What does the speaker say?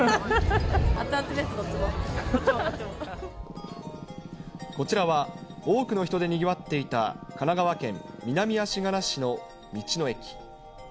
熱々です、こちらは、多くの人でにぎわっていた、神奈川県南足柄市の道の駅。